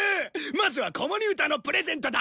まずは子守歌のプレゼントだ！